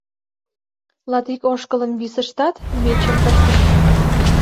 Латик ошкылым висыштат, мечым пыштышт.